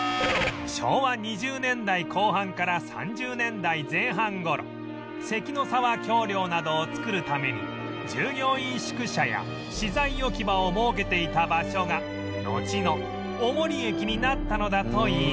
昭和２０年代後半から３０年代前半頃関の沢橋梁などを造るために従業員宿舎や資材置き場を設けていた場所がのちの尾盛駅になったのだといいます